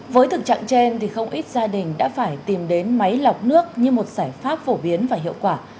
với thực trạng trên thì không ít gia đình đã phải tìm đến máy lọc nước như một giải pháp phổ biến và hiệu quả